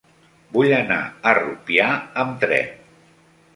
Vull anar a Rupià amb tren.